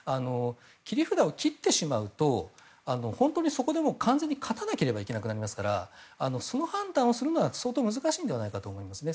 切り札を切ってしまうと本当にそこでもう完全に勝たなければいけなくなりますからその判断をするのは相当難しいのではないかと思うんですね。